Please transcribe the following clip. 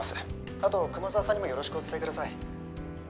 あと熊沢さんにもよろしくお伝えください。